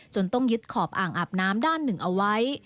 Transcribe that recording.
ต้องยึดขอบอ่างอาบน้ำด้านหนึ่งเอาไว้